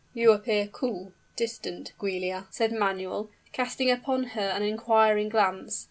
"You appear cool distant, Giulia," said Manuel, casting upon her an inquiring glance.